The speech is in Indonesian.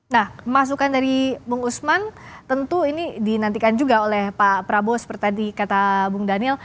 nah masukan dari bung usman tentu ini dinantikan juga oleh pak prabowo seperti tadi kata bung daniel